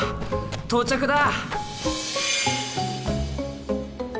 到着だ！